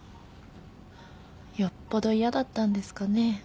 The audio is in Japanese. よっぽど嫌だったんですかね。